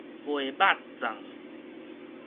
賣肉粽